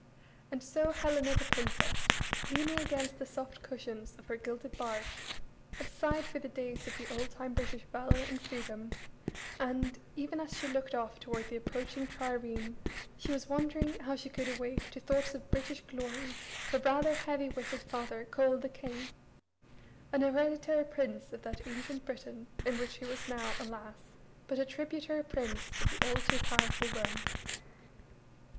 And so Helena the princess, Leaning against the soft cushions of her gilded barge, had sighed for the days of the old time British valor and freedom, and, even as she looked off toward the approaching triareme, she was wondering how she could awake to thoughts of British glory her rather heavy witted father, Coel the King an hereditary prince of that ancient Britain in which he was now, alas, but a tributary prince of the all too powerful Rome.